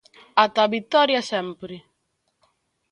Ata a Vitoria sempre.